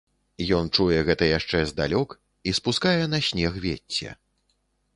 Ён чуе гэта яшчэ здалёк і спускае на снег вецце.